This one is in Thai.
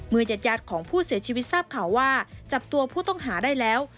ญาติยาดของผู้เสียชีวิตทราบข่าวว่าจับตัวผู้ต้องหาได้แล้ว